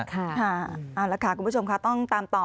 เอาละค่ะคุณผู้ชมต้องตามต่อ